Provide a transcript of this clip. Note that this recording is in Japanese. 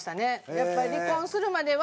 やっぱり離婚するまでは。